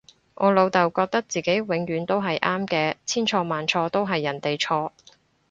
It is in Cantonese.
我老竇覺得自己永遠都係啱嘅，千錯萬錯都係人哋錯